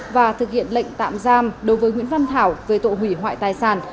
và thực hiện lệnh tạm giam đối với nguyễn văn thảo về tội hủy hoại tài sản